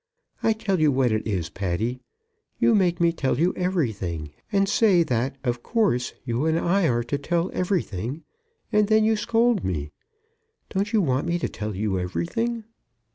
I tell you what it is, Patty; you make me tell you everything, and say that of course you and I are to tell everything, and then you scold me. Don't you want me to tell you everything?"